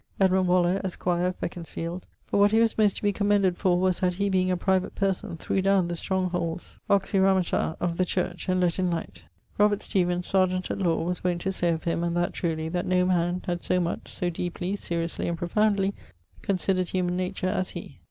Edmund Waller, esq., of Beconsfield: 'but what he was most to commended for was that he being a private person threw downe the strongholds (ὀχυρώματα) of the Church, and lett in light.' Robert Stevens, serjeant at Lawe, was wont to say of him, and that truly, that 'no man had so much, so deeply, seriously, and profoundly considered humane nature as he.'